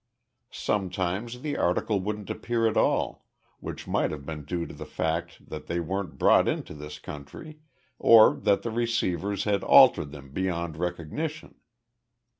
Sometimes the article wouldn't appear at all, which might have been due to the fact that they weren't brought into this country or that the receivers had altered them beyond recognition.